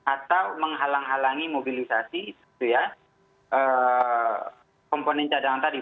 atau menghalang halangi mobilisasi komponen cadangan tadi